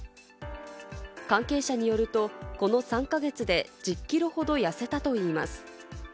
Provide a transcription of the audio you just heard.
関係者によると、この３か月で１０キロほど痩せたといいます。